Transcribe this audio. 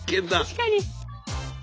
確かに。